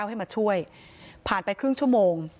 ให้มาช่วยผ่านไปครึ่งชั่วโมง